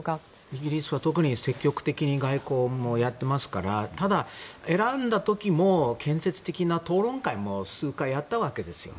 イギリスは特に積極的に外交もやっていますからただ、選んだ時も建設的な討論会も数回やったわけですよ。